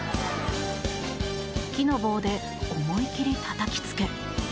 木の棒で思い切りたたきつけ。